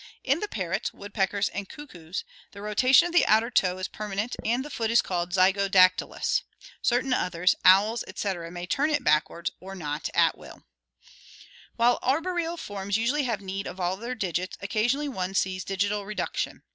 In the parrots, woodpeckers, and cuckoos the rotation of the outer toe is permanent and the foot is called zygo dactylous (Gr. tyy&v, yoke); certain others, owls, etc., may turn it backward or not at will (see Fig. 75). While arboreal forms usually have need of all of their digits, occasionally one sees digital reduction.